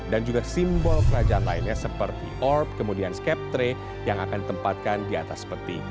dan juga simbol kerajaan lainnya seperti orb kemudian scap tray yang akan ditempatkan di atas peti